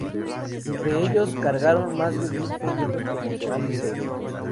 Entre ellos, cargaron más de mil folletos promocionales de eventos.